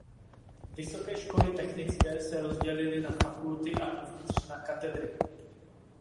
Vysoké školy technické se rozdělily na fakulty a uvnitř na katedry.